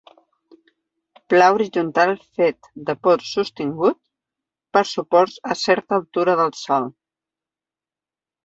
Pla horitzontal fet de posts sostingut per suports a certa altura del sòl.